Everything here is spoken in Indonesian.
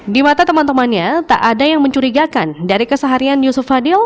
di mata teman temannya tak ada yang mencurigakan dari keseharian yusuf fadil